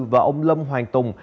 và ông lâm hoàng tùng